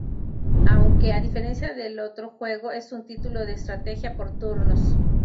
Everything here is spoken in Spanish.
Aunque, a diferencia del otro juego es un título de estrategia por turnos.